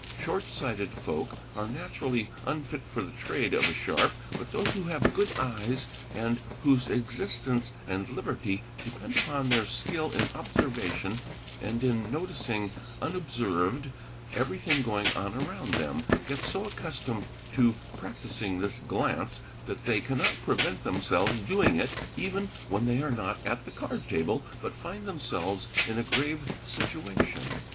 Short sighted folk are naturally unfit for the trade of a sharp, but those who have good eyes and whose existence and liberty depend upon their skill in observation and in noticing unobserved everything going on around them, get so accustomed to practising this glance that they cannot prevent themselves doing it even when .they are not at the card table but find themselves in a grave situation.